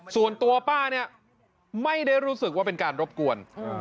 ส่วนตัวป้าเนี่ยไม่ได้รู้สึกว่าเป็นการรบกวน